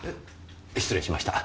失礼しました。